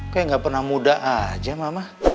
kayak gak pernah muda aja mama